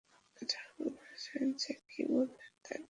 ঠাকুরমশায় যে কী বলেন তার ঠিক নাই।